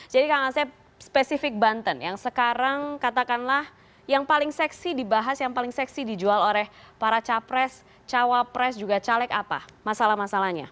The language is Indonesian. kang asep spesifik banten yang sekarang katakanlah yang paling seksi dibahas yang paling seksi dijual oleh para capres cawapres juga caleg apa masalah masalahnya